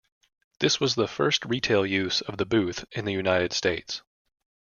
This was the first retail use of the booth in the United States.